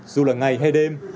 dù là ngày hay đêm